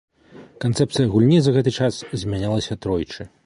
Канцэпцыя гульні за гэты час змянялася тройчы.